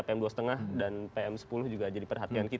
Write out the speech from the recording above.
pm dua lima dan pm sepuluh juga jadi perhatian kita